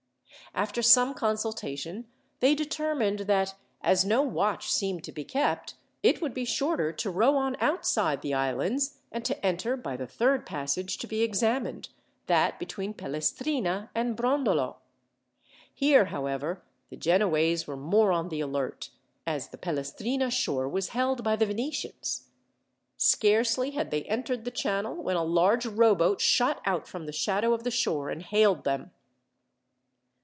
After some consultation they determined that, as no watch seemed to be kept, it would be shorter to row on outside the islands, and to enter by the third passage to be examined, that between Pelestrina and Brondolo. Here, however, the Genoese were more on the alert, as the Pelestrina shore was held by the Venetians. Scarcely had they entered the channel, when a large rowboat shot out from the shadow of the shore and hailed them.